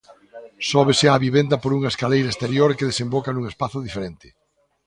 Sóbese á vivenda por unha escaleira exterior que desemboca nun espazo diferente.